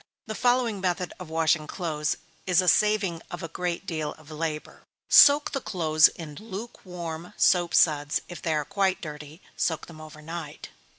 The following method of washing clothes is a saving of a great deal of labor: Soak the clothes in lukewarm soap suds; if they are quite dirty, soak them over night.